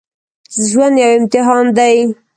ژوند یو امتحان دی